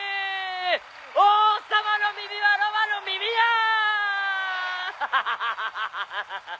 「王様の耳はロバの耳やー！」